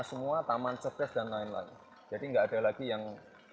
semua taman cebes dan lain lain jadi nggak ada yang bangun di sini kita bangun di sini kita bangun